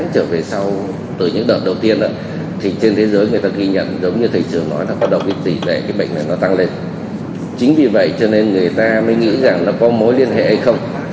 chính vì vậy cho nên người ta mới nghĩ rằng nó có mối liên hệ hay không